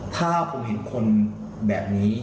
ถ้าผมเห็นคนแบบนี้